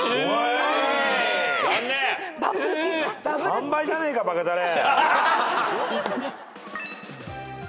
３倍じゃねえかバカたれ。